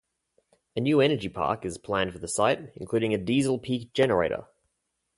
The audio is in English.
A new Energy Park is planned for the site, including a Diesel Peak Generator.